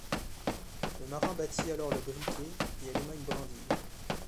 Le marin battit alors le briquet et alluma une brindille